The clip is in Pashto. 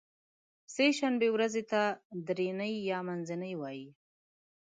سې شنبې ورځې ته درینۍ یا منځنۍ وایی